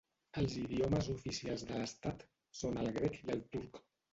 Els idiomes oficials de l'estat són el grec i el turc.